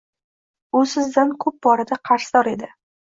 U sizdan ko`p borada qarzdor edi